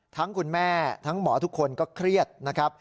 คุณแม่ทั้งหมอทุกคนก็เครียดนะครับ